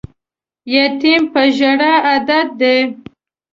یتیم په ژړا عادت دی